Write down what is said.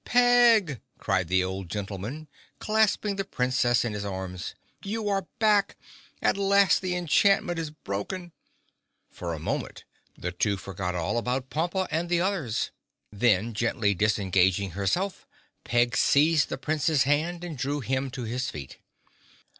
"Peg!" cried the old gentleman, clasping the Princess in his arms. "You are back! At last the enchantment is broken!" For a moment the two forgot all about Pompa and the others. Then, gently disengaging herself, Peg seized the Prince's hands and drew him to his feet.